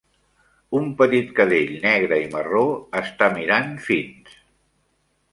Un petit cadell negre i marró està mirant fins